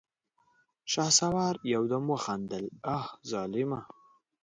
شهسوار يودم وخندل: اه ظالمه!